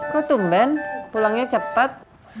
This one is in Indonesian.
kok tumben pulangnya cepet